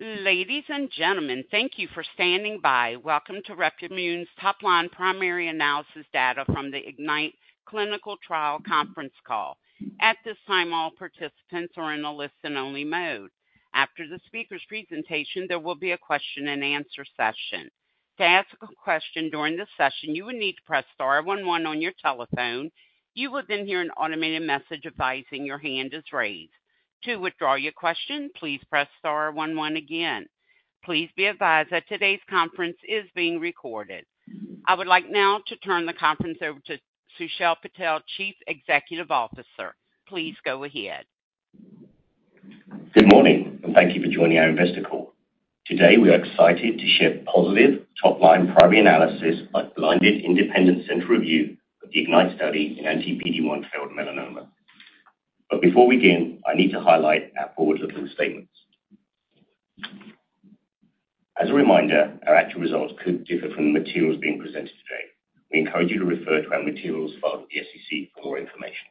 Ladies and gentlemen, thank you for standing by. Welcome to Replimune's top line primary analysis data from the IGNITE Clinical Trial Conference Call. At this time, all participants are in a listen-only mode. After the speaker's presentation, there will be a Q&A session. To ask a question during the session, you will need to press star one one on your telephone. You will then hear an automated message advising your hand is raised. To withdraw your question, please press star one one again. Please be advised that today's conference is being recorded. I would like now to turn the conference over to Sushil Patel, Chief Executive Officer. Please go ahead. Good morning, and thank you for joining our investor call. Today, we are excited to share positive topline primary analysis by Blinded Independent Central Review of the IGNITE study in anti-PD-1 failed melanoma. But before we begin, I need to highlight our forward-looking statements. As a reminder, our actual results could differ from the materials being presented today. We encourage you to refer to our materials filed with the SEC for more information.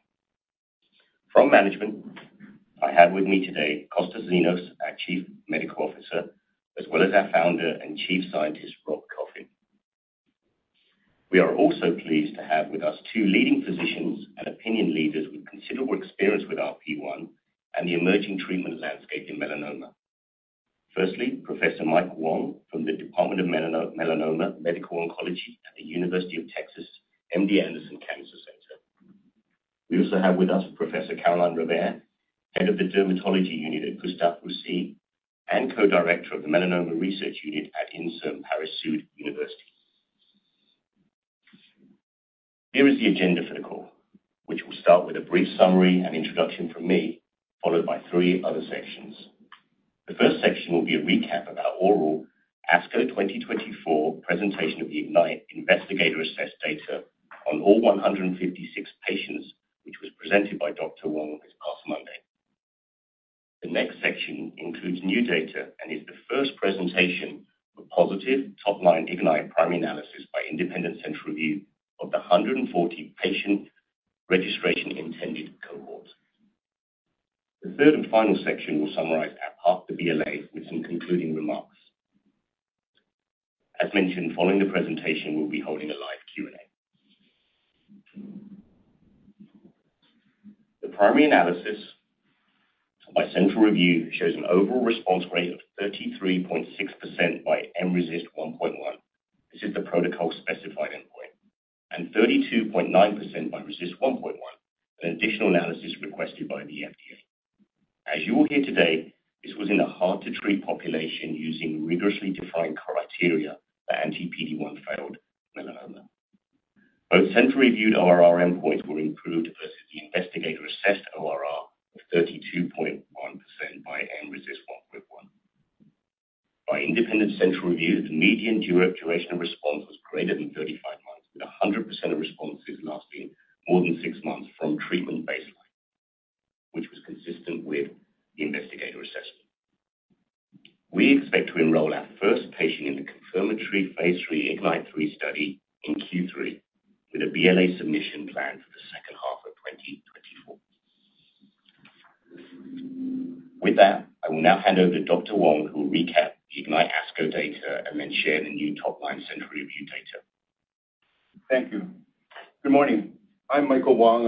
From management, I have with me today, Kostas Xynos, our Chief Medical Officer, as well as our founder and Chief Scientist, Robert Coffin. We are also pleased to have with us two leading physicians and opinion leaders with considerable experience with RP1 and the emerging treatment landscape in melanoma. Firstly, Professor Mike Wong from the Department of Melanoma, Medical Oncology at the University of Texas MD Anderson Cancer Center. We also have with us Professor Caroline Robert, Head of the Dermatology Unit at Gustave Roussy and Co-director of the Melanoma Research Unit at Inserm Paris Sud University. Here is the agenda for the call, which will start with a brief summary and introduction from me, followed by three other sections. The first section will be a recap of our oral ASCO 2024 presentation of the IGNITE Investigator Assessed Data on all 156 patients, which was presented by Dr. Wong this past Monday. The next section includes new data and is the first presentation of a positive top-line IGNITE primary analysis by Independent Central Review of the 140-patient registration-intended cohort. The third and final section will summarize our path to BLA with some concluding remarks. As mentioned, following the presentation, we'll be holding a live Q&A. The primary analysis by central review shows an overall response rate of 33.6% by mRECIST 1.1. This is the protocol-specified endpoint, and 32.9% by RECIST 1.1, an additional analysis requested by the FDA. As you will hear today, this was in a hard-to-treat population using rigorously defined criteria for anti-PD-1 failed melanoma. Both central reviewed ORR endpoints were improved versus the investigator-assessed ORR of 32.1% by mRECIST 1.1. By independent central review, the median duration of response was greater than 35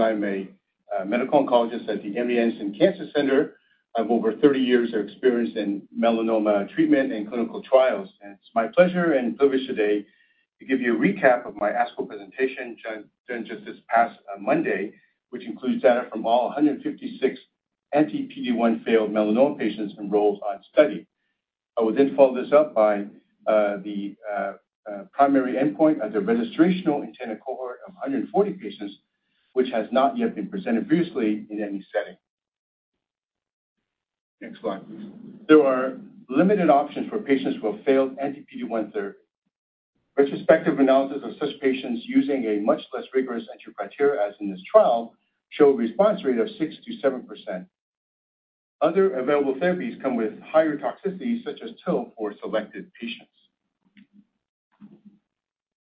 months, with 100% of responses lasting more than 6 months from treatment baseline, which was consistent with the investigator assessment. We expect to enroll our first patient in the confirmatory Phase III IGNITE-3 study in Q3, with a BLA submission plan for the second half of 2024. With that, I will now hand over to Dr. Wong, who will recap the IGNITE ASCO data and then share the new top-line central review data. Thank you. Good morning. I'm Michael Wong. I'm a medical oncologist at the MD Anderson Cancer Center. I have over 30 years of experience in melanoma treatment and clinical trials. It's my pleasure and privilege today to give you a recap of my ASCO presentation done just this past Monday, which includes data from all 156 anti-PD-1 failed melanoma patients enrolled on study. I will then follow this up by the primary endpoint of the registrational intended cohort of 140 patients, which has not yet been presented previously in any setting. Next slide. There are limited options for patients who have failed anti-PD-1 therapy. Retrospective analysis of such patients using a much less rigorous entry criteria, as in this trial, show a response rate of 6%-7%. Other available therapies come with higher toxicity, such as TIL, for selected patients.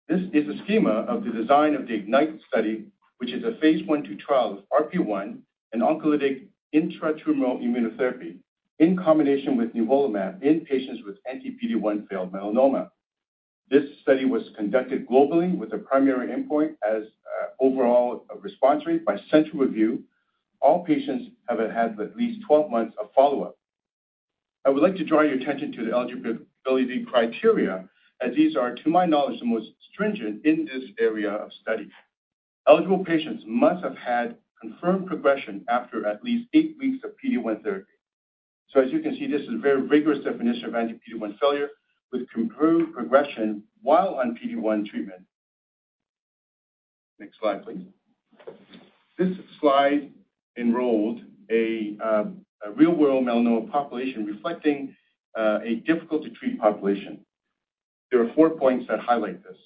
This is a schema of the design of the IGNITE study, which is a Phase I/II trial of RP1, an oncolytic intratumoral immunotherapy in combination with nivolumab in patients with anti-PD-1 failed melanoma. This study was conducted globally, with a primary endpoint as overall response rate by central review. All patients have had at least 12 months of follow-up. I would like to draw your attention to the eligibility criteria, as these are, to my knowledge, the most stringent in this area of study. Eligible patients must have had confirmed progression after at least 8 weeks of PD-1 therapy. So as you can see, this is a very rigorous definition of anti-PD-1 failure with improved progression while on PD-1 treatment. Next slide, please. This slide enrolled a real-world melanoma population, reflecting a difficult-to-treat population. There are four points that highlight this.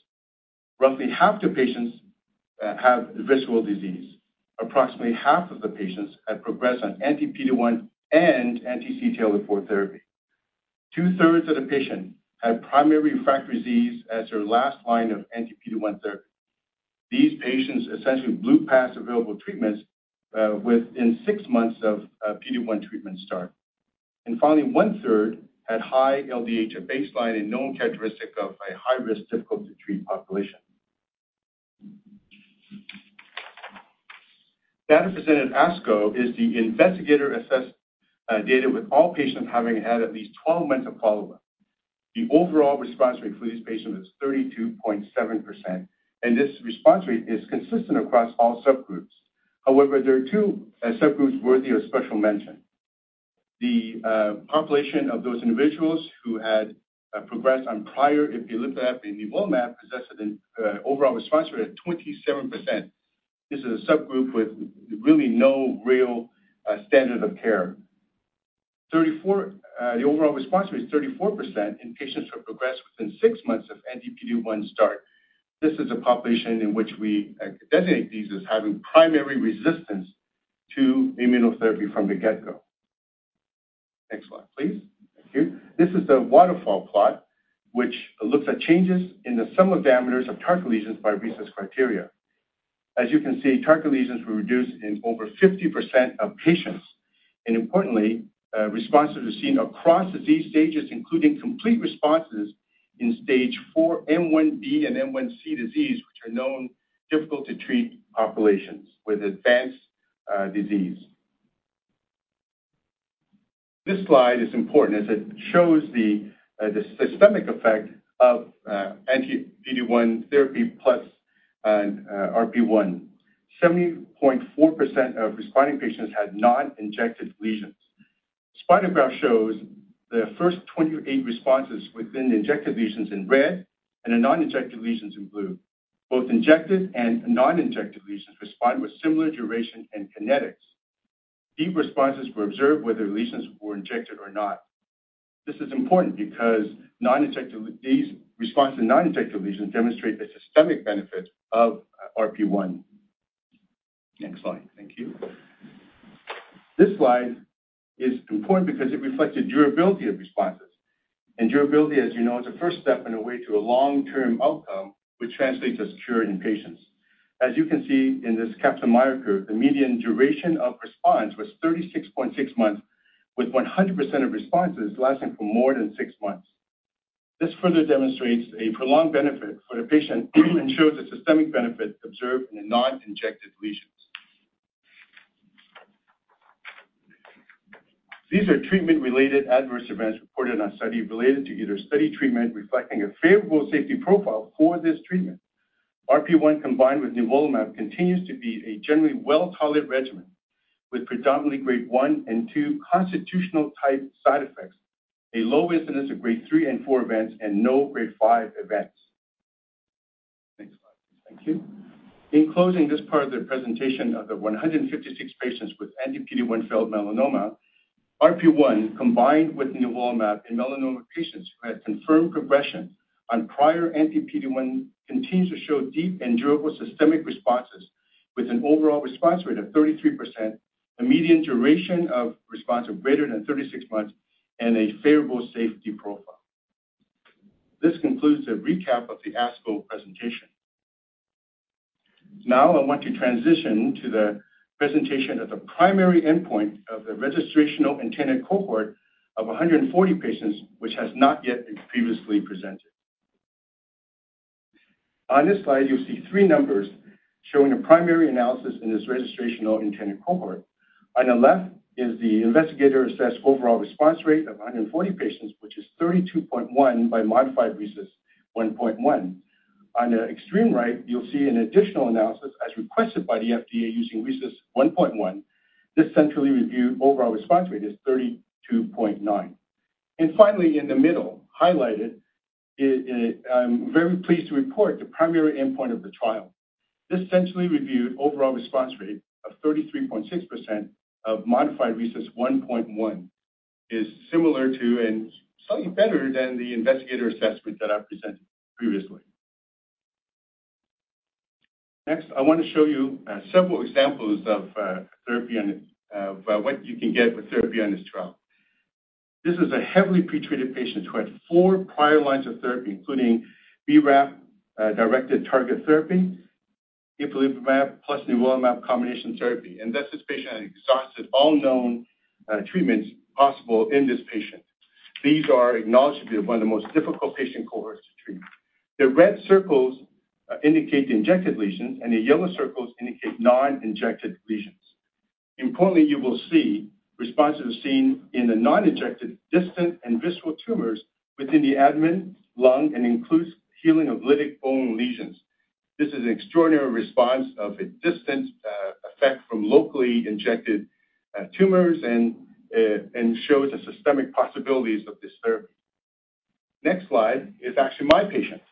Roughly half the patients have visceral disease. Approximately half of the patients had progressed on anti-PD-1 and anti-CTLA-4 therapy. Two-thirds of the patients had primary refractory disease as their last line of anti-PD-1 therapy.... These patients essentially blew past available treatments within six months of PD-1 treatment start. And finally, one-third had high LDH at baseline, a known characteristic of a high-risk, difficult to treat population. Data presented at ASCO is the investigator-assessed data, with all patients having had at least 12 months of follow-up. The overall response rate for these patients is 32.7%, and this response rate is consistent across all subgroups. However, there are two subgroups worthy of special mention. The population of those individuals who had progressed on prior ipilimumab and nivolumab possessed an overall response rate of 27%. This is a subgroup with really no real standard of care. The overall response rate is 34% in patients who have progressed within six months of anti-PD-1 start. This is a population in which we designate these as having primary resistance to immunotherapy from the get-go. Next slide, please. Thank you. This is the waterfall plot, which looks at changes in the sum of diameters of target lesions by RECIST criteria. As you can see, target lesions were reduced in over 50% of patients. And importantly, responses were seen across disease stages, including complete responses in stage 4, M1B and M1c disease, which are known difficult to treat populations with advanced disease. This slide is important, as it shows the systemic effect of anti-PD-1 therapy, plus RP1. 70.4% of responding patients had non-injected lesions. Spider graph shows the first 28 responses within the injected lesions in red and the non-injected lesions in blue. Both injected and non-injected lesions respond with similar duration and kinetics. Deep responses were observed whether lesions were injected or not. This is important because non-injected—these responses to non-injected lesions demonstrate the systemic benefit of RP1. Next slide, thank you. This slide is important because it reflects the durability of responses. Durability, as you know, is the first step in a way to a long-term outcome, which translates as cure in patients. As you can see in this Kaplan-Meier curve, the median duration of response was 36.6 months, with 100% of responses lasting for more than 6 months. This further demonstrates a prolonged benefit for the patient and shows a systemic benefit observed in the non-injected lesions. These are treatment-related adverse events reported on a study related to either study treatment, reflecting a favorable safety profile for this treatment. RP1 combined with nivolumab continues to be a generally well-tolerated regimen, with predominantly grade 1 and 2 constitutional type side effects, a low incidence of grade 3 and 4 events, and no grade 5 events. Next slide. Thank you. In closing this part of the presentation, of the 156 patients with anti-PD-1 failed melanoma, RP1, combined with nivolumab in melanoma patients who had confirmed progression on prior anti-PD-1, continues to show deep and durable systemic responses, with an overall response rate of 33%, a median duration of response of greater than 36 months, and a favorable safety profile. This concludes a recap of the ASCO presentation. Now, I want to transition to the presentation of the primary endpoint of the registrational intended cohort of 140 patients, which has not yet been previously presented. On this slide, you see three numbers showing a primary analysis in this registrational intended cohort. On the left is the investigator-assessed overall response rate of 140 patients, which is 32.1 by modified RECIST 1.1. On the extreme right, you'll see an additional analysis as requested by the FDA using RECIST 1.1. This centrally reviewed overall response rate is 32.9. And finally, in the middle, highlighted, is. I'm very pleased to report the primary endpoint of the trial. This centrally reviewed overall response rate of 33.6% of modified RECIST 1.1 is similar to, and slightly better than, the investigator assessment that I presented previously. Next, I want to show you several examples of therapy on this, what you can get with therapy on this trial. This is a heavily pretreated patient who had 4 prior lines of therapy, including BRAF directed target therapy, ipilimumab plus nivolumab combination therapy, and this patient has exhausted all known treatments possible in this patient. These are acknowledged to be one of the most difficult patient cohorts to treat. The red circles indicate the injected lesions, and the yellow circles indicate non-injected lesions. Importantly, you will see responses are seen in the non-injected, distant, and visceral tumors within the abdomen, lung, and includes healing of lytic bone lesions. This is an extraordinary response of a distant effect from locally injected tumors and and shows the systemic possibilities of this therapy. Next slide is actually my patient.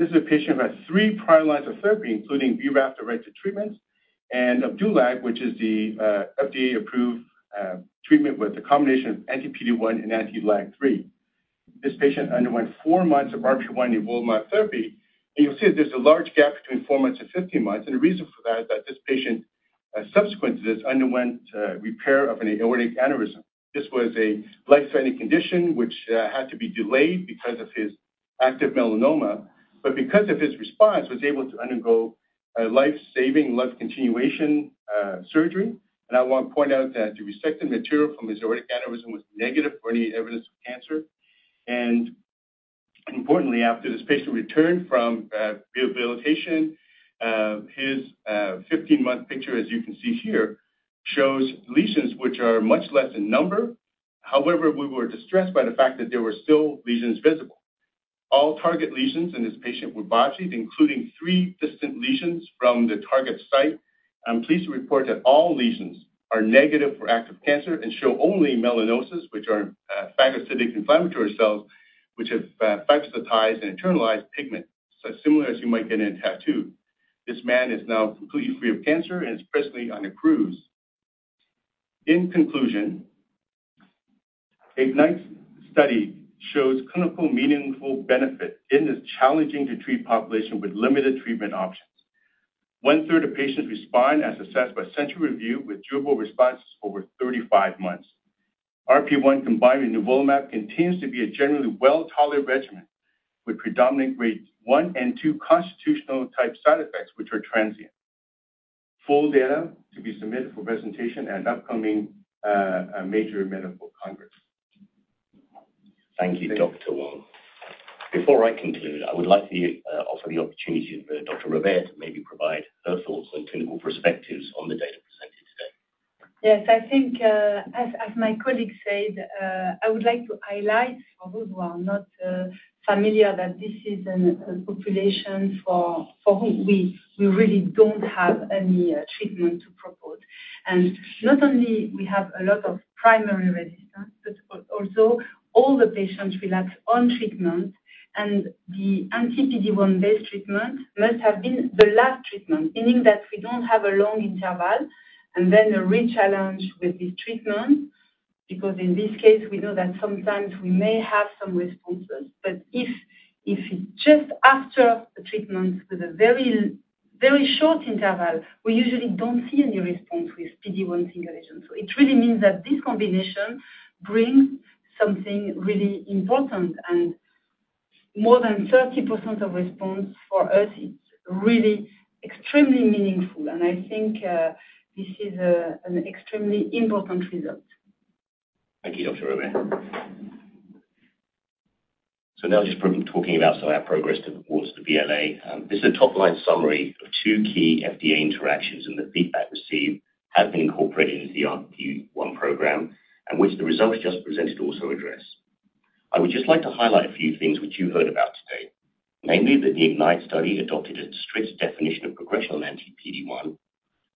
This is a patient who had 3 prior lines of therapy, including BRAF-directed treatments and Opdualag, which is the FDA-approved treatment with the combination of anti-PD-1 and anti-LAG3. This patient underwent 4 months of RP1 nivolumab therapy, and you'll see that there's a large gap between 4 months and 15 months. The reason for that is that this patient... Subsequent to this, underwent repair of an aortic aneurysm. This was a life-threatening condition, which had to be delayed because of his active melanoma. But because of his response, was able to undergo a life-saving, life continuation surgery. And I want to point out that the resected material from his aortic aneurysm was negative for any evidence of cancer. And importantly, after this patient returned from rehabilitation, his 15-month picture, as you can see here, shows lesions which are much less in number. However, we were distressed by the fact that there were still lesions visible. All target lesions in this patient were biopsied, including three distant lesions from the target site. I'm pleased to report that all lesions are negative for active cancer and show only melanosis, which are phagocytic inflammatory cells, which have phagocytized and internalized pigment, so similar as you might get in a tattoo. This man is now completely free of cancer and is presently on a cruise. In conclusion, IGNITE's study shows clinical meaningful benefit in this challenging to treat population with limited treatment options. One-third of patients respond, as assessed by central review, with durable responses over 35 months. RP1 combined with nivolumab continues to be a generally well-tolerated regimen, with predominant grade 1 and 2 constitutional-type side effects, which are transient. Full data to be submitted for presentation at an upcoming major medical congress. Thank you, Dr. Wong. Before I conclude, I would like to offer the opportunity for Dr. Robert to maybe provide her thoughts and clinical perspectives on the data presented today. Yes, I think, as my colleague said, I would like to highlight for those who are not familiar that this is a population for whom we really don't have any treatment to propose. And not only we have a lot of primary resistance, but also all the patients relapse on treatment, and the Anti-PD-1 based treatment must have been the last treatment, meaning that we don't have a long interval, and then a re-challenge with this treatment. Because in this case, we know that sometimes we may have some responses, but if it's just after the treatment with a very, very short interval, we usually don't see any response with PD-1 single agent. So it really means that this combination brings something really important. More than 30% of response for us, it's really extremely meaningful, and I think, this is, an extremely important result. Thank you, Dr. Robert. So now just from talking about some of our progress towards the BLA. This is a top-line summary of two key FDA interactions, and the feedback received has been incorporated into the RP1 program, and which the results just presented also address. I would just like to highlight a few things which you heard about today. Namely, that the IGNITE study adopted a strict definition of progression on anti-PD-1,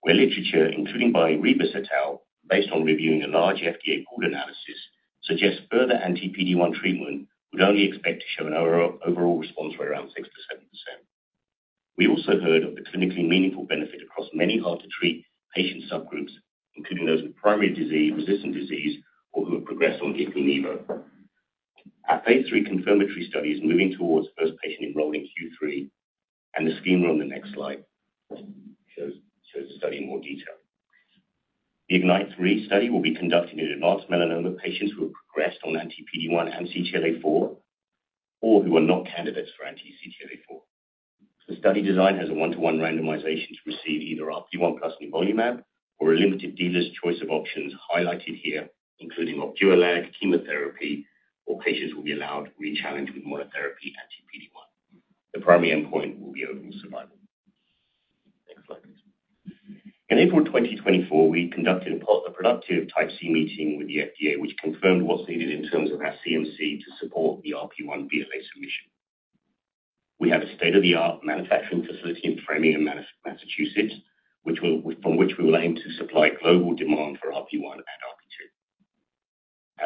where literature, including by Ribas et al., based on reviewing a large FDA pool analysis, suggests further anti-PD-1 treatment would only expect to show an overall response rate around 6%-7%. We also heard of the clinically meaningful benefit across many hard-to-treat patient subgroups, including those with primary disease, resistant disease, or who have progressed on ipi/nivo. Our Phase III confirmatory study is moving towards first patient enrolled in Q3, and the scheme on the next slide shows the study in more detail. The IGNITE-3 study will be conducted in advanced melanoma patients who have progressed on anti-PD-1 and CTLA-4, or who are not candidates for anti-CTLA-4. The study design has a one-to-one randomization to receive either RP1 plus nivolumab, or a limited physician's choice of options highlighted here, including Opdualag, chemotherapy, or patients will be allowed to re-challenge with monotherapy anti-PD-1. The primary endpoint will be overall survival. Next slide, please. In April 2024, we conducted a productive Type C meeting with the FDA, which confirmed what's needed in terms of our CMC to support the RP1 BLA submission. We have a state-of-the-art manufacturing facility in Framingham, Massachusetts, from which we will aim to supply global demand for RP1 and RP2.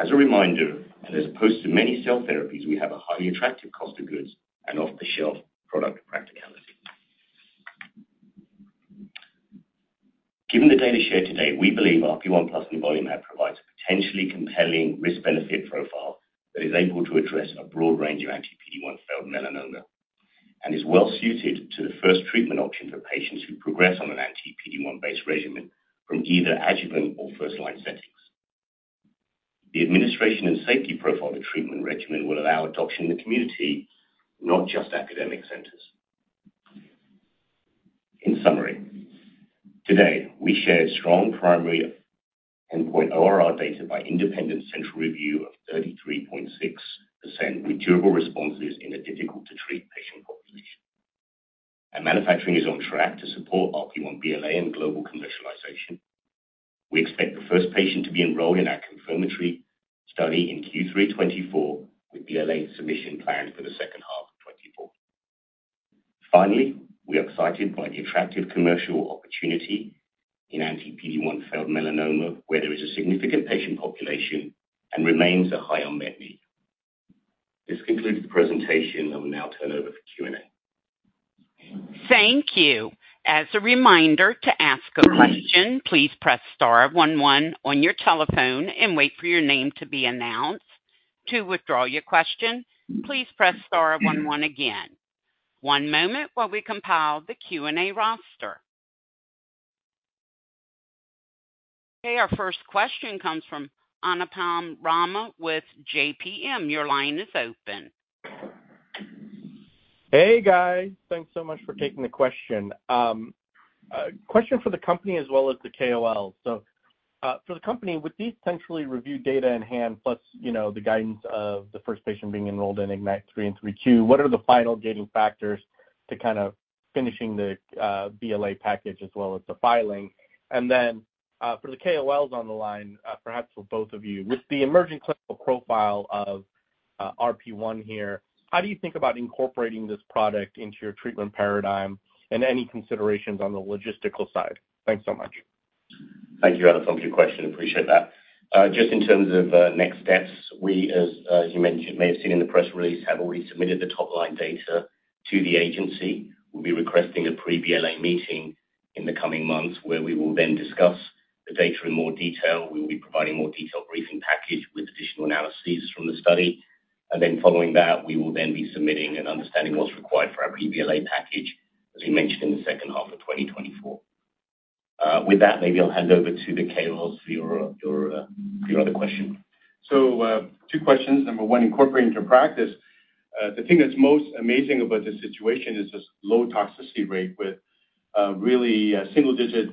As a reminder, and as opposed to many cell therapies, we have a highly attractive cost of goods and off-the-shelf product practicality. Given the data shared today, we believe RP1 plus nivolumab provides a potentially compelling risk-benefit profile, that is able to address a broad range of anti-PD-1 failed melanoma. And is well suited to the first treatment option for patients who progress on an anti-PD-1 based regimen, from either adjuvant or first-line settings. The administration and safety profile of treatment regimen will allow adoption in the community, not just academic centers. In summary, today, we shared strong primary endpoint ORR data by independent central review of 33.6% with durable responses in a difficult-to-treat patient population. Our manufacturing is on track to support RP1 BLA and global commercialization. We expect the first patient to be enrolled in our confirmatory study in Q3 2024, with BLA submission planned for the second half of 2024. Finally, we are excited by the attractive commercial opportunity in anti-PD-1 failed melanoma, where there is a significant patient population and remains a high unmet need. This concludes the presentation. I will now turn over for Q&A. Thank you. As a reminder, to ask a question, please press star one one on your telephone and wait for your name to be announced. To withdraw your question, please press star one one again. ... One moment while we compile the Q&A roster. Okay, our first question comes from Anupam Rama with JPM. Your line is open. Hey, guys. Thanks so much for taking the question. A question for the company as well as the KOLs. So, for the company, with these potentially reviewed data in hand, plus, you know, the guidance of the first patient being enrolled in IGNITE-3 and IGNITE-2, what are the final gating factors to kind of finishing the BLA package as well as the filing? And then, for the KOLs on the line, perhaps for both of you. With the emerging clinical profile of RP1 here, how do you think about incorporating this product into your treatment paradigm, and any considerations on the logistical side? Thanks so much. Thank you, Anupam, for your question. Appreciate that. Just in terms of next steps, we, as you mentioned, may have seen in the press release, have already submitted the top line data to the agency. We'll be requesting a pre-BLA meeting in the coming months, where we will then discuss the data in more detail. We will be providing a more detailed briefing package with additional analyses from the study. And then following that, we will then be submitting and understanding what's required for our pre-BLA package, as we mentioned in the second half of 2024. With that, maybe I'll hand over to the KOLs for your, your, your other question. So, two questions. Number one, incorporating into practice. The thing that's most amazing about this situation is this low toxicity rate with really single digit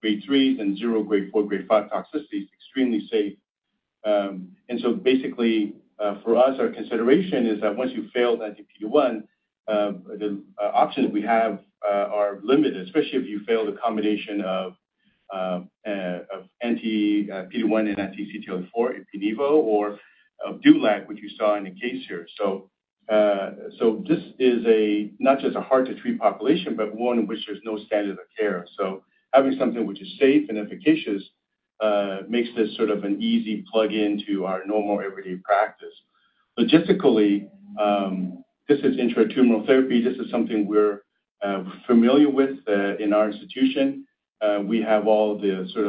grade threes and zero grade four, grade five toxicities, extremely safe. And so basically, for us, our consideration is that once you've failed anti-PD-1, the options we have are limited, especially if you've failed a combination of anti PD-1 and anti-CTLA-4 in Opdivo, or of Opdualag, which you saw in the case here. So, this is a not just a hard-to-treat population, but one in which there's no standard of care. So having something which is safe and efficacious makes this sort of an easy plug-in to our normal, everyday practice. Logistically, this is intratumoral therapy. This is something we're familiar with in our institution. We have all the sort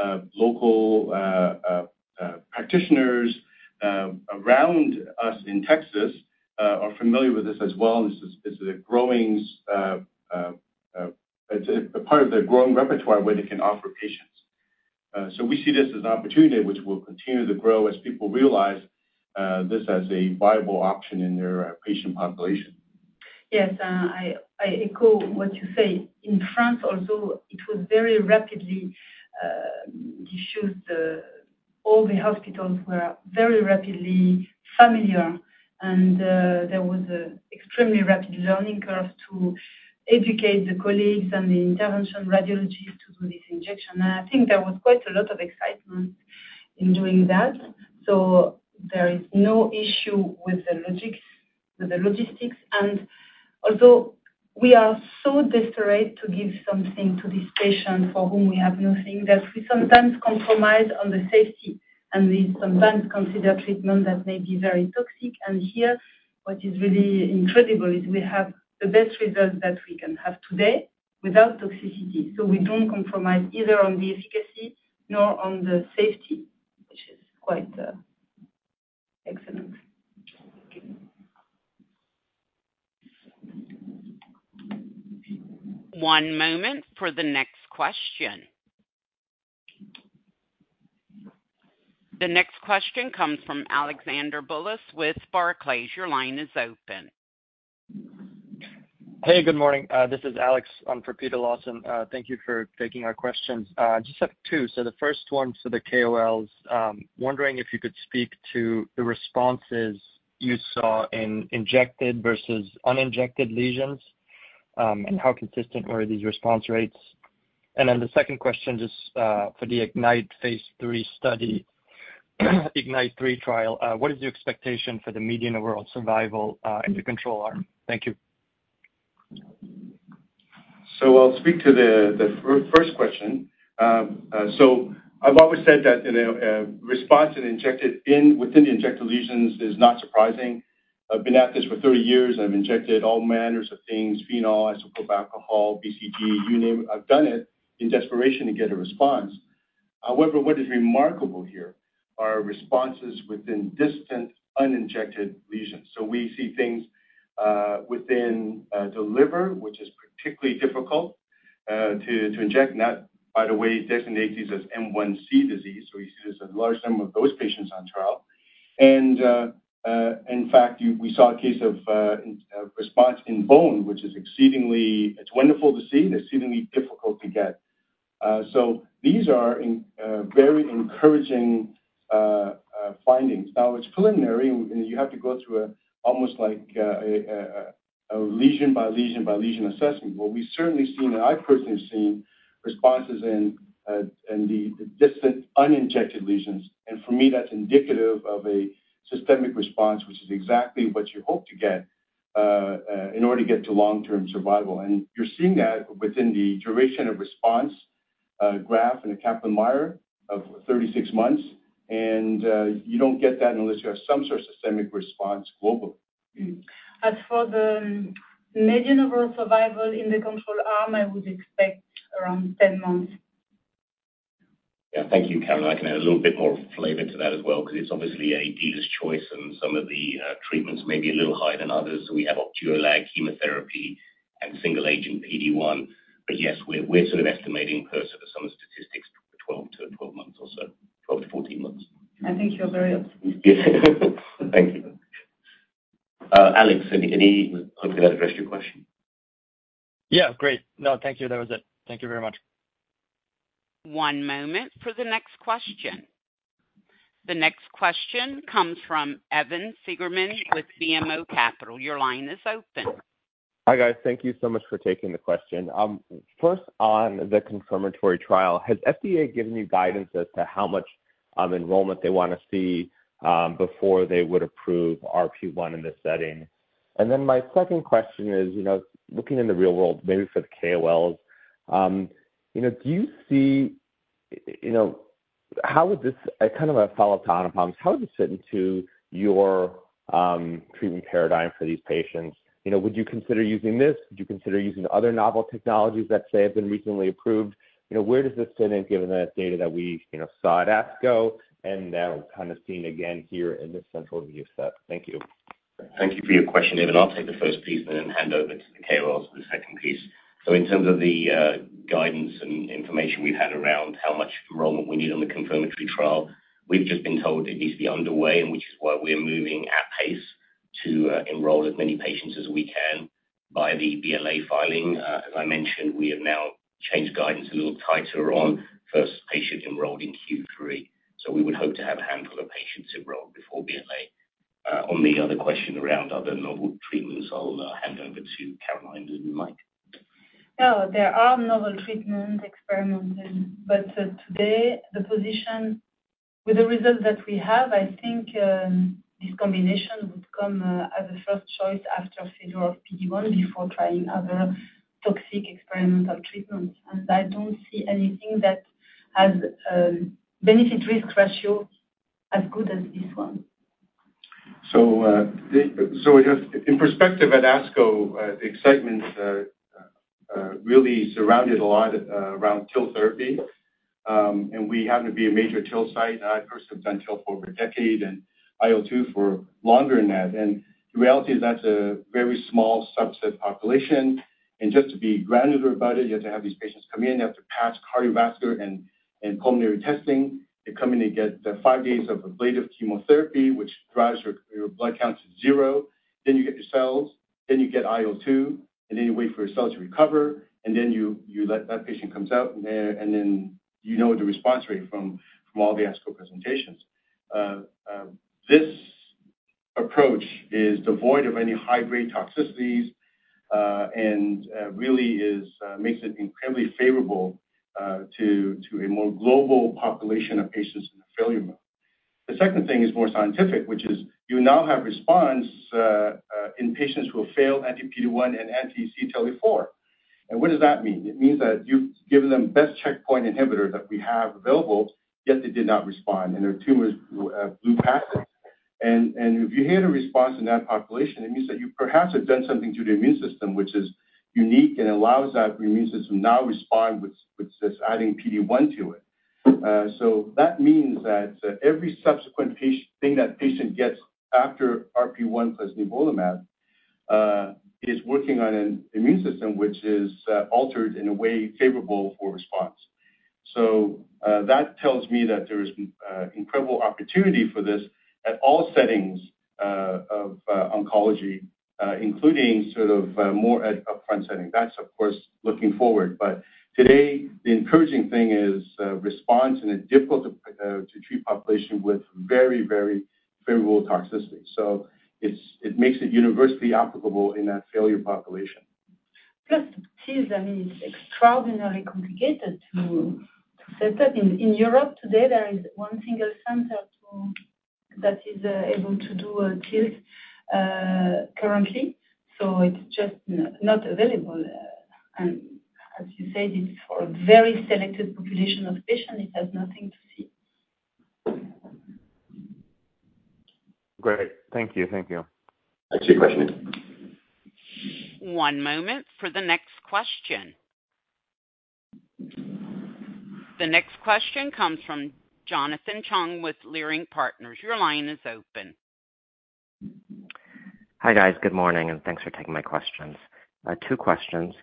of local practitioners around us in Texas are familiar with this as well. This is a growing, it's a part of their growing repertoire where they can offer patients. So we see this as an opportunity which will continue to grow as people realize this as a viable option in their patient population. Yes, I echo what you say. In France, although it was very rapidly issued, all the hospitals were very rapidly familiar, and there was an extremely rapid learning curve to educate the colleagues and the intervention radiologists to do this injection. And I think there was quite a lot of excitement in doing that. So there is no issue with the logistics, with the logistics. And although we are so desperate to give something to this patient for whom we have nothing, that we sometimes compromise on the safety, and we sometimes consider treatment that may be very toxic. And here, what is really incredible is we have the best result that we can have today without toxicity. So we don't compromise either on the efficacy nor on the safety, which is quite excellent. Thank you. One moment for the next question. The next question comes from Alexander Bullis with Barclays. Your line is open. Hey, good morning. This is Alex, for Peter Lawson. Thank you for taking our questions. I just have two. So the first one's for the KOLs. Wondering if you could speak to the responses you saw in injected versus uninjected lesions, and how consistent were these response rates? And then the second question, just, for the IGNITE Phase III study, IGNITE-3 trial. What is your expectation for the median overall survival, in the control arm? Thank you. So I'll speak to the first question. So I've always said that, you know, a response in injected within the injected lesions is not surprising. I've been at this for 30 years. I've injected all manners of things, phenol, isopropyl alcohol, BCG, you name it, I've done it in desperation to get a response. However, what is remarkable here are responses within distant, uninjected lesions. So we see things within the liver, which is particularly difficult to inject. And that, by the way, designates these as M1C disease, so we see there's a large number of those patients on trial. And in fact, we saw a case of response in bone, which is exceedingly... It's wonderful to see, and exceedingly difficult to get. So these are very encouraging findings. Now, it's preliminary, and you have to go through almost like a lesion by lesion by lesion assessment. But we've certainly seen, and I've personally seen, responses in the distant, uninjected lesions. And for me, that's indicative of a systemic response, which is exactly what you hope to get in order to get to long-term survival. And you're seeing that within the duration of response graph in the Kaplan-Meier of 36 months, and you don't get that unless you have some sort of systemic response globally. As for the median overall survival in the control arm, I would expect around 10 months.... Yeah, thank you, Caroline. I can add a little bit more flavor to that as well, because it's obviously a dealer's choice, and some of the treatments may be a little higher than others. We have Opdualag, chemotherapy, and single agent PD-1. But yes, we're, we're sort of estimating per some statistics, 12-12 months or so, 12-14 months. I think you're very optimistic. Thank you. Alex, any hope that addressed your question? Yeah, great. No, thank you. That was it. Thank you very much. One moment for the next question. The next question comes from Evan Seigerman with BMO Capital Markets. Your line is open. Hi, guys. Thank you so much for taking the question. First, on the confirmatory trial, has FDA given you guidance as to how much enrollment they want to see before they would approve RP1 in this setting? And then my second question is, you know, looking in the real world, maybe for the KOLs, you know, do you see, you know, how would this kind of a follow-up on, how does this fit into your treatment paradigm for these patients? You know, would you consider using this? Would you consider using other novel technologies that, say, have been recently approved? You know, where does this fit in, given that data that we, you know, saw at ASCO, and now kind of seeing again here in this central view set? Thank you. Thank you for your question, Evan. I'll take the first piece and then hand over to the KOLs for the second piece. So in terms of the guidance and information we've had around how much enrollment we need on the confirmatory trial, we've just been told it needs to be underway, and which is why we're moving at pace to enroll as many patients as we can by the BLA filing. As I mentioned, we have now changed guidance a little tighter on first patient enrolled in Q3. So we would hope to have a handful of patients enrolled before BLA. On the other question around other novel treatments, I'll hand over to Caroline and Mike. Yeah, there are novel treatments, experimental, but today, the position with the results that we have, I think, this combination would come as a first choice after failure of PD-1, before trying other toxic experimental treatments. I don't see anything that has benefit risk ratio as good as this one. So just in perspective, at ASCO, the excitements really surrounded a lot around TIL therapy. And we happen to be a major TIL site, and I personally have done TIL for over a decade, and IL-2 for longer than that. And the reality is that's a very small subset population, and just to be granular about it, you have to have these patients come in, they have to pass cardiovascular and pulmonary testing. They come in, they get the five days of ablative chemotherapy, which drives your blood count to zero. Then you get your cells, then you get IL-2, and then you wait for your cells to recover, and then you let that patient comes out, and then you know the response rate from all the ASCO presentations. This approach is devoid of any high-grade toxicities and really is makes it incredibly favorable to a more global population of patients in failure mode. The second thing is more scientific, which is you now have response in patients who have failed anti-PD-1 and anti-CTLA-4. And what does that mean? It means that you've given them best checkpoint inhibitor that we have available, yet they did not respond, and their tumors blew past it. And, and if you had a response in that population, it means that you perhaps have done something to the immune system, which is unique and allows that immune system to now respond with, with just adding PD-1 to it. So that means that every subsequent patient thing that patient gets after RP1 plus nivolumab is working on an immune system, which is altered in a way favorable for response. So that tells me that there is incredible opportunity for this at all settings of oncology, including sort of more up-front setting. That's, of course, looking forward, but today the encouraging thing is response in a difficult to treat population with very, very favorable toxicity. So it's it makes it universally applicable in that failure population. Plus, TIL, I mean, it's extraordinarily complicated to set up. In Europe today, there is one single center that is able to do a TIL currently, so it's just not available. And as you said, it's for a very selective population of patients. It has nothing to see. Great. Thank you. Thank you. Thanks for your question. One moment for the next question. The next question comes from Jonathan Chang with Leerink Partners. Your line is open. Hi, guys. Good morning, and thanks for taking my questions. Two questions.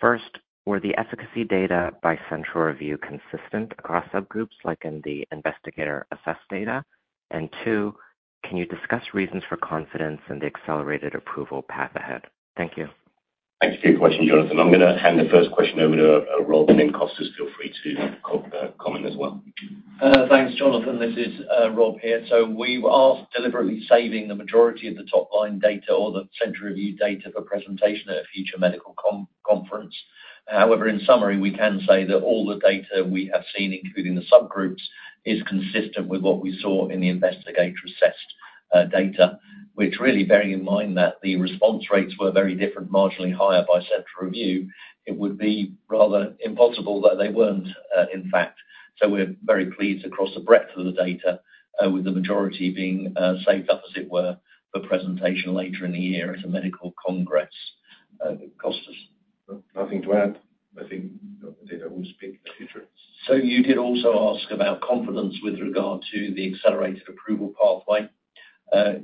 First, were the efficacy data by central review consistent across subgroups, like in the investigator assessed data? And two, can you discuss reasons for confidence in the accelerated approval path ahead? Thank you. Thank you for your question, Jonathan. I'm going to hand the first question over to Rob, and then Kostas, feel free to comment as well. Thanks, Jonathan. This is Rob here. So we are deliberately saving the majority of the top-line data or the central review data for presentation at a future medical conference. However, in summary, we can say that all the data we have seen, including the subgroups, is consistent with what we saw in the investigator-assessed data, which really bearing in mind that the response rates were very different, marginally higher by central review, it would be rather impossible that they weren't, in fact. So we're very pleased across the breadth of the data, with the majority being saved up, as it were, for presentation later in the year at a medical congress.... Kostas? Nothing to add. I think, you know, the data will speak for itself. So you did also ask about confidence with regard to the accelerated approval pathway.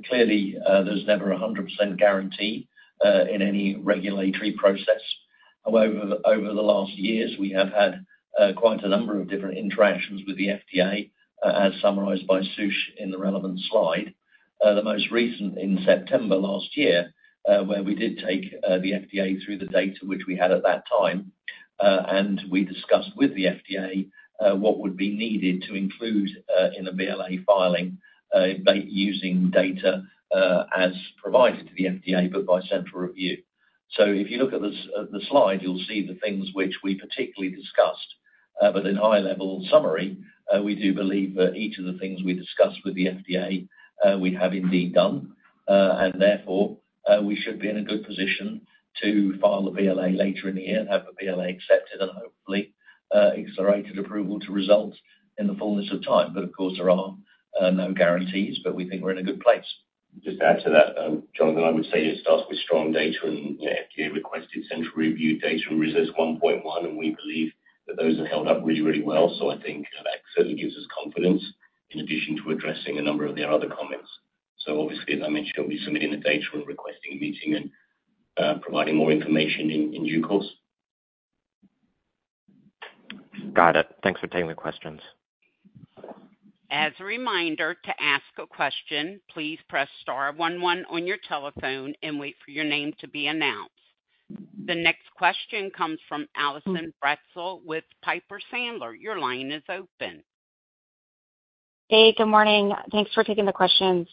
Clearly, there's never a 100% guarantee in any regulatory process. However, over the last years, we have had quite a number of different interactions with the FDA, as summarized by Sush in the relevant slide. The most recent in September last year, where we did take the FDA through the data which we had at that time, and we discussed with the FDA what would be needed to include in a BLA filing, by using data as provided to the FDA, but by central review. So if you look at the slide, you'll see the things which we particularly discussed. But in high-level summary, we do believe that each of the things we discussed with the FDA, we have indeed done. And therefore, we should be in a good position to file a BLA later in the year and have the BLA accepted, and hopefully, accelerated approval to result in the fullness of time. But of course, there are no guarantees, but we think we're in a good place. Just to add to that, Jonathan, I would say it starts with strong data, and, you know, FDA requested central review data from RECIST 1.1, and we believe that those have held up really, really well. So I think that certainly gives us confidence in addition to addressing a number of their other comments. So obviously, as I mentioned, we'll be submitting the data, we're requesting a meeting and providing more information in due course. Got it. Thanks for taking the questions. As a reminder, to ask a question, please press star one one on your telephone and wait for your name to be announced. The next question comes from Allison Bratzel with Piper Sandler. Your line is open. Hey, good morning. Thanks for taking the questions.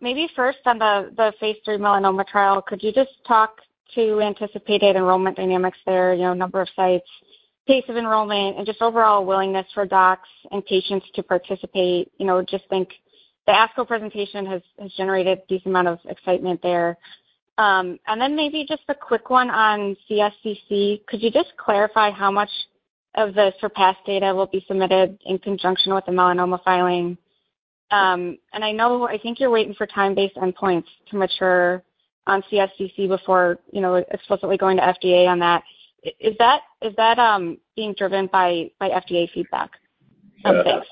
Maybe first on the Phase III melanoma trial, could you just talk to anticipated enrollment dynamics there, you know, number of sites, pace of enrollment, and just overall willingness for docs and patients to participate? You know, just think the ASCO presentation has generated a decent amount of excitement there. And then maybe just a quick one on CSCC. Could you just clarify how much of the SURPASS data will be submitted in conjunction with the melanoma filing? And I know, I think you're waiting for time-based endpoints to mature on CSCC before, you know, explicitly going to FDA on that. Is that being driven by FDA feedback? Thank you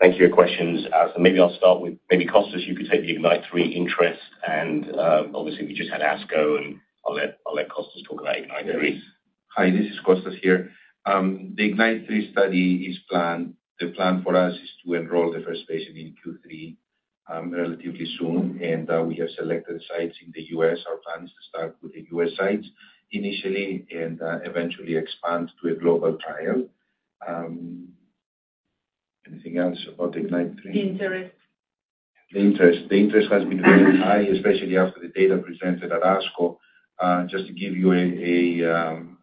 for your questions. So maybe I'll start with Kostas, you could take the IGNITE-3 interest, and obviously, we just had ASCO, and I'll let Kostas talk about IGNITE-3. Hi, this is Kostas here. The IGNITE-3 study is planned. The plan for us is to enroll the first patient in Q3, relatively soon, and we have selected sites in the US. Our plan is to start with the US sites initially and eventually expand to a global trial. Anything else about the IGNITE-3? Interest. The interest. The interest has been very high, especially after the data presented at ASCO. Just to give you an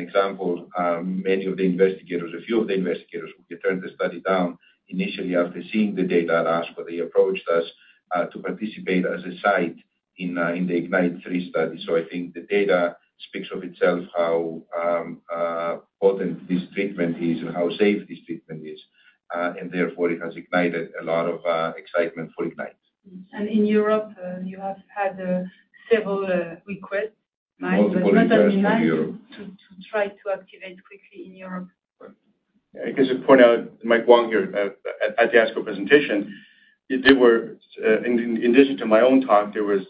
example, many of the investigators, a few of the investigators who turned the study down initially after seeing the data at ASCO, they approached us to participate as a site in the IGNITE-3 study. So I think the data speaks of itself, how potent this treatment is and how safe this treatment is, and therefore it has ignited a lot of excitement for IGNITE. In Europe, you have had several requests- Multiple requests in Europe. to try to activate quickly in Europe. I guess I'd point out, Mike Wong here. At the ASCO presentation, there were, in addition to my own talk, there was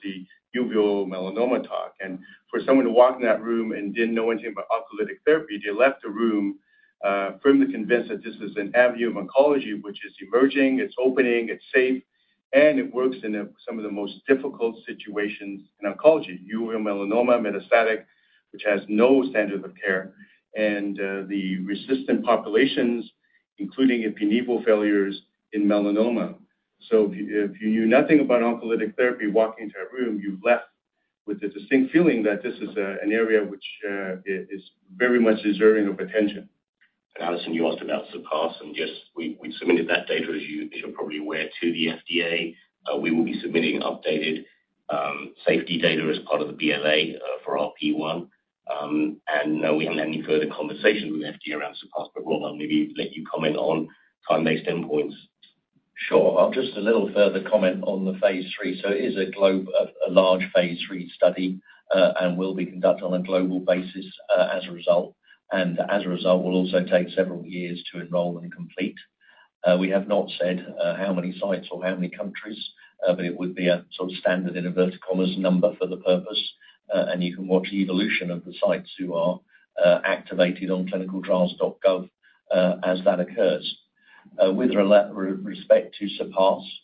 the uveal melanoma talk. And for someone to walk in that room and didn't know anything about oncolytic therapy, they left the room, firmly convinced that this is an avenue of oncology, which is emerging, it's opening, it's safe, and it works in some of the most difficult situations in oncology. Uveal melanoma, metastatic, which has no standard of care, and the resistant populations, including ipi-nivo failures in melanoma. So if you knew nothing about oncolytic therapy walking into a room, you left with the distinct feeling that this is an area which is very much deserving of attention. Allison, you asked about SURPASS, and yes, we, we submitted that data, as you, as you're probably aware, to the FDA. We will be submitting updated, safety data as part of the BLA, for RP1. No, we haven't had any further conversation with FDA around SURPASS, but Rob, maybe let you comment on time-based endpoints. Sure. I'll just a little further comment on the Phase III. So it is a global, a large Phase III study, and will be conducted on a global basis, as a result, and as a result, will also take several years to enroll and complete. We have not said how many sites or how many countries, but it would be a sort of standard in a vertical as number for the purpose. And you can watch the evolution of the sites who are activated on clinicaltrials.gov, as that occurs. With respect to SURPASS,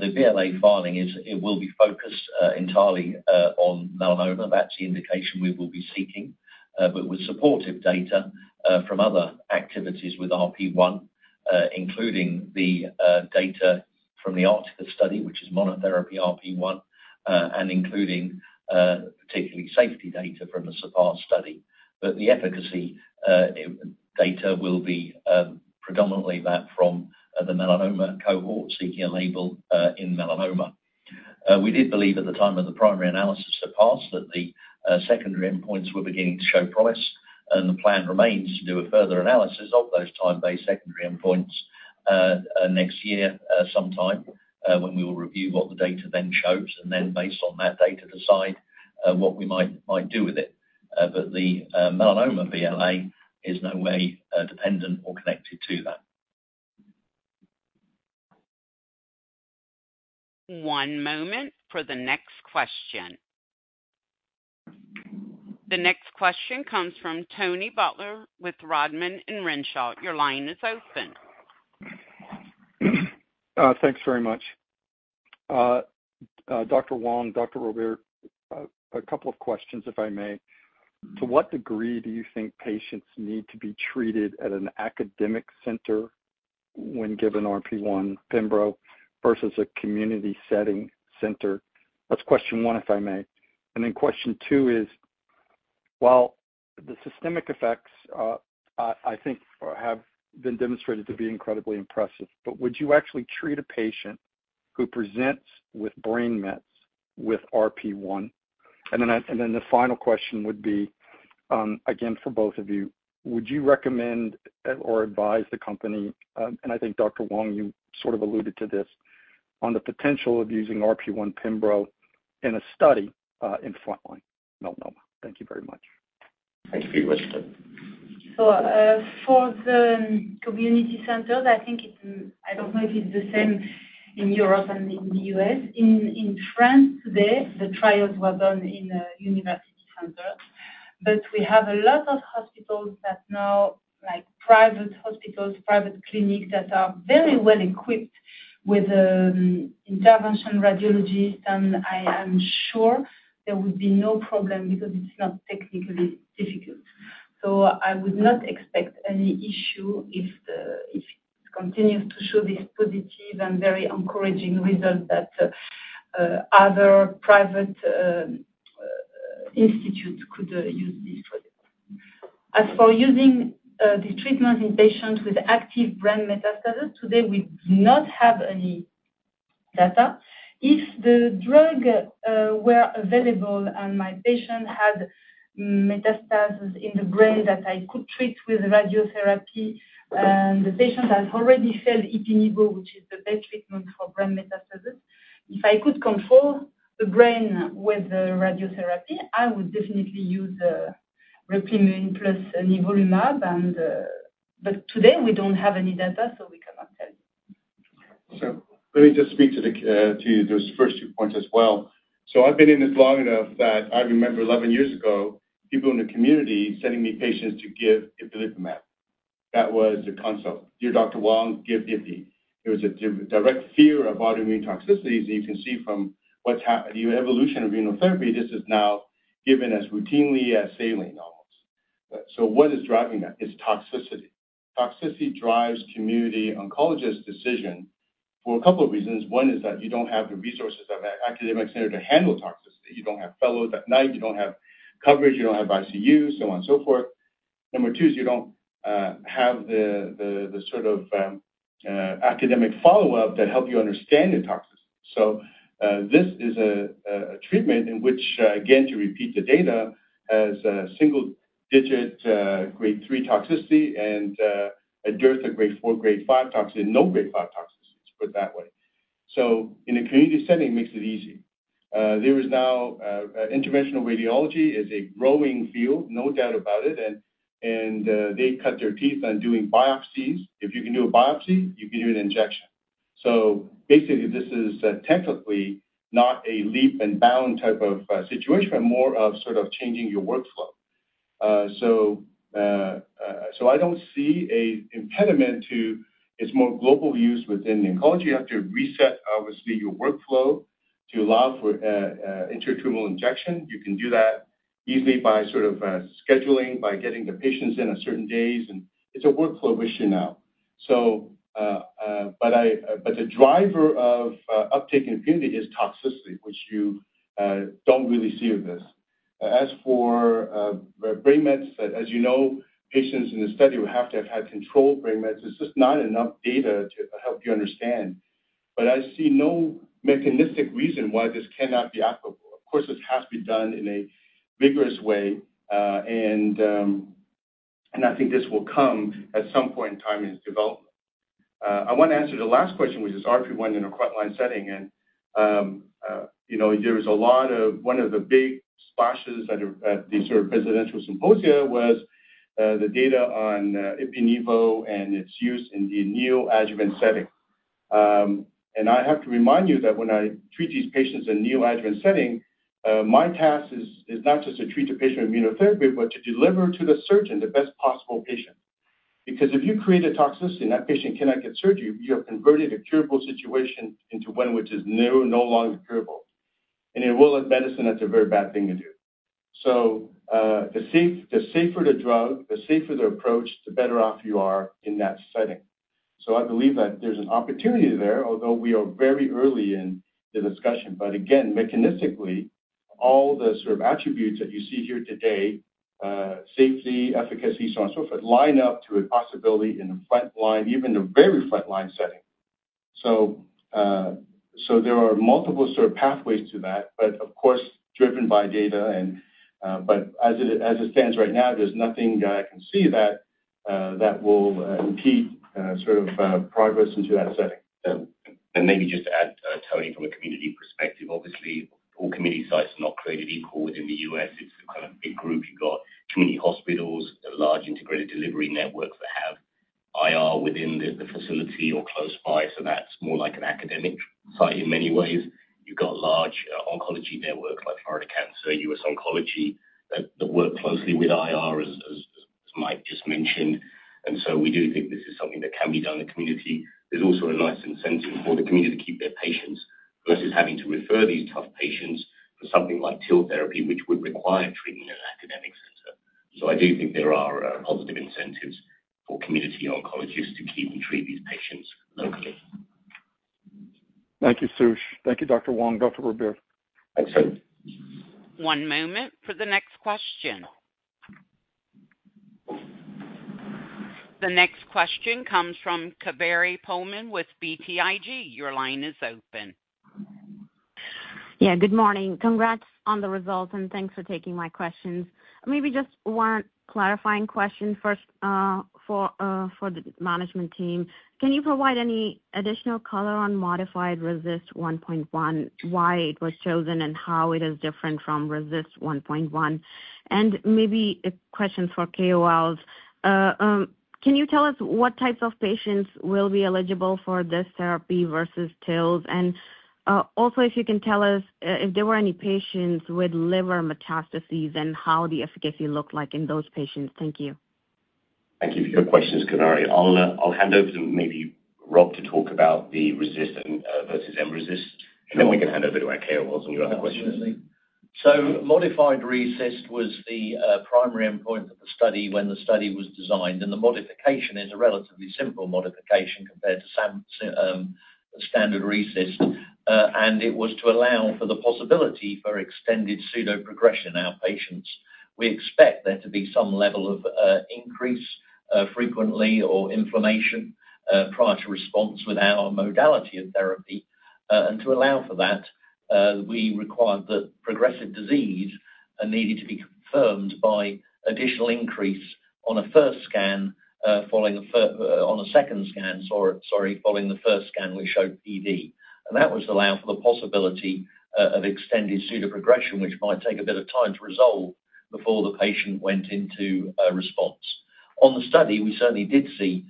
the BLA filing is it will be focused entirely on melanoma. That's the indication we will be seeking, but with supportive data from other activities with RP1, including the data from the ARTICUS study, which is monotherapy RP1, and including particularly safety data from the SURPASS study. But the efficacy data will be predominantly that from the melanoma cohort seeking a label in melanoma. We did believe at the time of the primary analysis SURPASS that the secondary endpoints were beginning to show promise, and the plan remains to do a further analysis of those time-based secondary endpoints.... next year sometime when we will review what the data then shows, and then based on that data, decide what we might do with it. But the melanoma BLA is in no way dependent or connected to that. One moment for the next question. The next question comes from Tony Butler with Rodman & Renshaw. Your line is open. Thanks very much. Dr. Wong, Dr. Robert, a couple of questions, if I may. To what degree do you think patients need to be treated at an academic center when given RP1 Pembro versus a community setting center? That's question one, if I may. And then question two is, while the systemic effects, I think have been demonstrated to be incredibly impressive, but would you actually treat a patient who presents with brain mets with RP1? And then the final question would be, again, for both of you, would you recommend or advise the company, and I think Dr. Wong, you sort of alluded to this, on the potential of using RP1 Pembro in a study, in frontline melanoma? Thank you very much. Thank you. So, for the community centers, I think it—I don't know if it's the same in Europe and in the US. In France today, the trials were done in a university center. But we have a lot of hospitals that now, like private hospitals, private clinics, that are very well equipped with interventional radiology, and I am sure there would be no problem because it's not technically difficult. So I would not expect any issue if it continues to show this positive and very encouraging result that other private institutes could use this for. As for using the treatment in patients with active brain metastasis, today we do not have any data. If the drug were available and my patient had metastasis in the brain that I could treat with radiotherapy, and the patient has already failed ipilimumab, which is the best treatment for brain metastasis, if I could control the brain with the radiotherapy, I would definitely use the RP1 plus nivolumab. But today we don't have any data, so we cannot tell. So let me just speak to the, to those first two points as well. So I've been in this long enough that I remember 11 years ago, people in the community sending me patients to give Ipilimumab. That was the consult. Dear Dr. Wong, give Ipi. There was a direct fear of autoimmune toxicities, and you can see from what's the evolution of immunotherapy, this is now given as routinely as saline almost. Right, so what is driving that? It's toxicity. Toxicity drives community oncologist decision for a couple of reasons. One is that you don't have the resources of an academic center to handle toxicity. You don't have fellows at night, you don't have coverage, you don't have ICU, so on and so forth. Number two is you don't have the, the, the sort of, academic follow-up that help you understand the toxicity. So, this is a treatment in which, again, to repeat the data, has a single digit, grade three toxicity and, a dearth of grade four, grade five toxicity, and no grade five toxicity, let's put it that way. So in a community setting, makes it easy. There is now, interventional radiology is a growing field, no doubt about it, and, they cut their teeth on doing biopsies. If you can do a biopsy, you can do an injection. So basically, this is, technically not a leap and bound type of, situation, but more of sort of changing your workflow. So, so I don't see a impediment to its more global use within the oncology. You have to reset, obviously, your workflow to allow for, intratumoral injection. You can do that easily by sort of scheduling, by getting the patients in on certain days, and it's a workflow issue now. So, but the driver of uptake in community is toxicity, which you don't really see with this. As for the brain mets, as you know, patients in the study would have to have had controlled brain mets. It's just not enough data to help you understand. But I see no mechanistic reason why this cannot be applicable. Of course, this has to be done in a vigorous way, and I think this will come at some point in time in its development. I want to answer the last question, which is RP1 in a frontline setting, and you know, one of the big splashes at these sort of presidential symposia was the data on ipilimumab and its use in the neoadjuvant setting. And I have to remind you that when I treat these patients in neoadjuvant setting, my task is not just to treat the patient immunotherapy, but to deliver to the surgeon the best possible patient. Because if you create a toxicity and that patient cannot get surgery, you have converted a curable situation into one which is no longer curable. And in world of medicine, that's a very bad thing to do. So, the safer the drug, the safer the approach, the better off you are in that setting. So I believe that there's an opportunity there, although we are very early in the discussion. But again, mechanistically, all the sort of attributes that you see here today, safety, efficacy, so on and so forth, line up to a possibility in the frontline, even the very frontline setting. So, so there are multiple sort of pathways to that, but of course, driven by data and, but as it, as it stands right now, there's nothing that I can see that, that will, impede, sort of, progress into that setting. And maybe just to add, Tony, from a community perspective, obviously, all community sites are not created equal in the U.S. It's a kind of big group. You've got community hospitals, large integrated delivery networks that have IR within the facility or close by, so that's more like an academic site in many ways. You've got a large oncology network like Florida Cancer, U.S. Oncology, that work closely with IR as Mike just mentioned. And so we do think this is something that can be done in the community. There's also a nice incentive for the community to keep their patients, versus having to refer these tough patients for something like TIL therapy, which would require treatment in an academic center. So I do think there are positive incentives for community oncologists to keep and treat these patients locally. Thank you, Sush. Thank you, Dr. Wong. Dr. Robert? Thanks. One moment for the next question. The next question comes from Kaveri Pohlman with BTIG. Your line is open. Yeah, good morning. Congrats on the results, and thanks for taking my questions. Maybe just one clarifying question first for the management team. Can you provide any additional color on modified RECIST 1.1, why it was chosen, and how it is different from RECIST 1.1? And maybe a question for KOLs. Can you tell us what types of patients will be eligible for this therapy versus TILs? And also, if you can tell us if there were any patients with liver metastases, and how the efficacy looked like in those patients. Thank you. Thank you for your questions, Kaveri. I'll, I'll hand over to maybe Rob to talk about the RECIST and versus mRECIST. Sure. And then we can hand over to our KOLs on your other question. Absolutely. So modified RECIST was the primary endpoint of the study when the study was designed, and the modification is a relatively simple modification compared to standard RECIST. And it was to allow for the possibility for extended pseudoprogression in our patients. We expect there to be some level of increase in frequency or inflammation prior to response with our modality of therapy. And to allow for that, we required that progressive disease needed to be confirmed by additional increase on a first scan following the first scan, we showed PD. And that was to allow for the possibility of extended pseudoprogression, which might take a bit of time to resolve before the patient went into a response. On the study, we certainly did see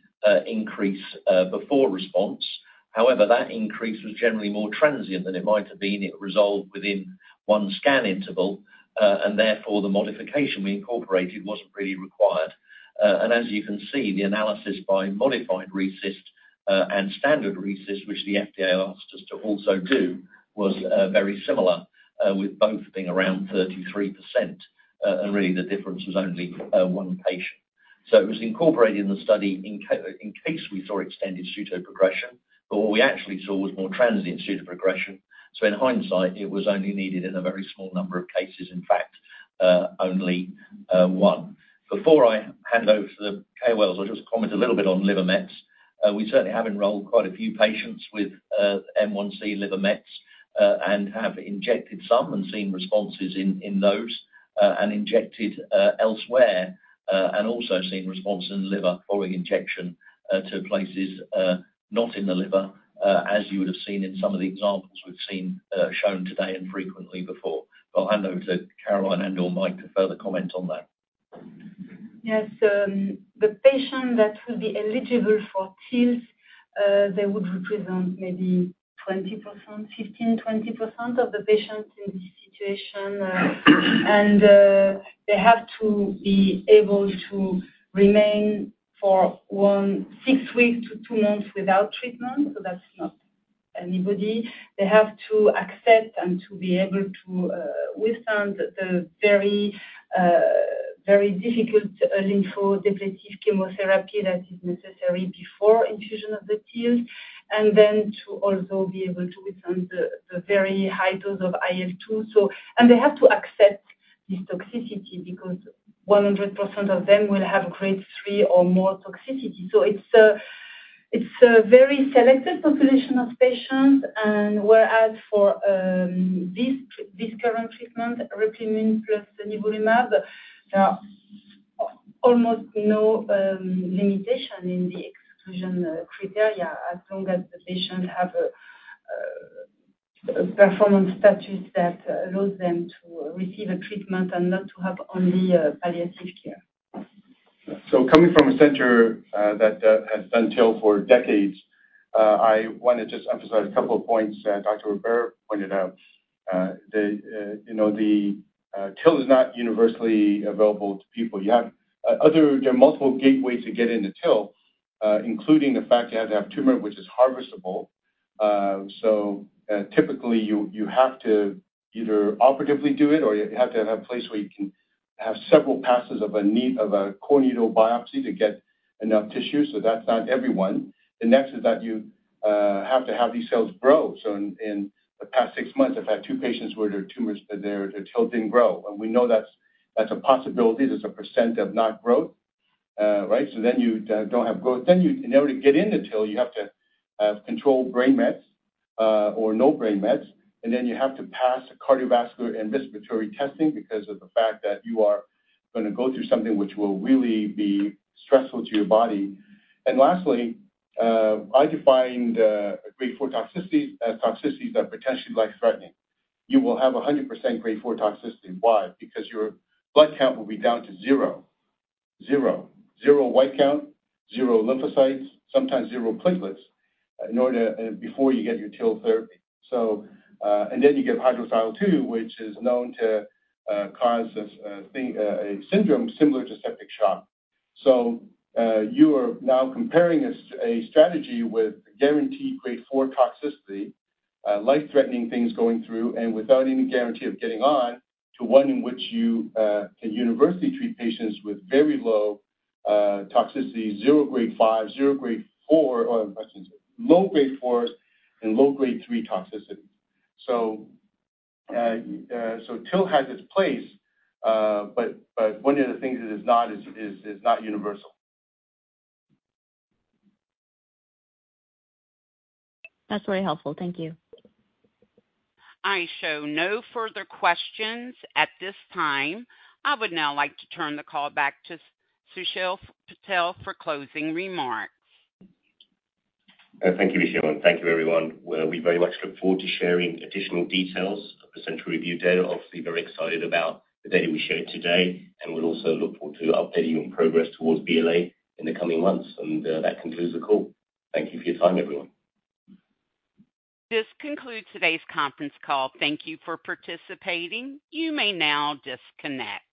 increase before response. However, that increase was generally more transient than it might have been. It resolved within one scan interval, and therefore, the modification we incorporated wasn't really required. And as you can see, the analysis by modified RECIST and standard RECIST, which the FDA asked us to also do, was very similar, with both being around 33%. And really the difference was only one patient. So it was incorporated in the study in case we saw extended pseudoprogression, but what we actually saw was more transient pseudoprogression. So in hindsight, it was only needed in a very small number of cases, in fact, only one. Before I hand over to the KOLs, I'll just comment a little bit on liver mets. We certainly have enrolled quite a few patients with M1c liver mets, and have injected some and seen responses in those, and injected elsewhere, and also seen response in the liver following injection to places not in the liver, as you would have seen in some of the examples we've seen shown today and frequently before. But I'll hand over to Caroline and/or Mike to further comment on that. Yes. The patient that will be eligible for TILs, they would represent maybe 20%, 15%-20% of the patients in this situation. And they have to be able to remain for 1-6 weeks to 2 months without treatment, so that's not anybody. They have to accept and to be able to withstand the very, very difficult lymphodepleting chemotherapy that is necessary before infusion of the TIL. And then to also be able to withstand the very high dose of IL-2. So... And they have to accept this toxicity, because 100% of them will have Grade 3 or more toxicity. So it's a, it's a very selected population of patients. Whereas for this current treatment, RP1 plus nivolumab, there are almost no limitation in the exclusion criteria, as long as the patients have a performance status that allows them to receive a treatment and not to have only palliative care. Coming from a center that has done TIL for decades, I wanna just emphasize a couple of points that Dr. Robert pointed out. You know, the TIL is not universally available to people. There are multiple gateways to get into TIL, including the fact you have to have a tumor, which is harvestable. Typically, you have to either operatively do it, or you have to have a place where you can have several passes of a needle, of a core needle biopsy to get enough tissue, so that's not everyone. The next is that you have to have these cells grow. In the past six months, I've had two patients where their tumors, their TIL didn't grow, and we know that's a possibility. There's a percent of not growth... right? So then you don't have growth. Then you, in order to get in the TIL, you have to have controlled brain mets or no brain mets, and then you have to pass a cardiovascular and respiratory testing because of the fact that you are gonna go through something which will really be stressful to your body. And lastly, I defined grade four toxicities as toxicities that are potentially life-threatening. You will have 100% grade four toxicity. Why? Because your blood count will be down to zero. Zero. Zero white count, zero lymphocytes, sometimes zero platelets, in order to before you get your TIL therapy. So, and then you get high-dose IL-2 too, which is known to cause this thing, a syndrome similar to septic shock. So, you are now comparing a strategy with guaranteed grade 4 toxicity, life-threatening things going through, and without any guarantee of getting on, to one in which you can universally treat patients with very low toxicity, 0 grade 5, 0 grade 4, or I should say, low grade 4s and low grade 3 toxicity. So, TIL has its place, but one of the things it is not is universal. That's very helpful. Thank you. I show no further questions at this time. I would now like to turn the call back to Sushil Patel for closing remarks. Thank you, Michelle, and thank you, everyone. Well, we very much look forward to sharing additional details of the central review data. Obviously, very excited about the data we shared today, and we'll also look forward to updating you on progress towards BLA in the coming months. And, that concludes the call. Thank you for your time, everyone. This concludes today's conference call. Thank you for participating. You may now disconnect.